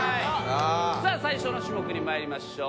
さあ最初の種目にまいりましょう。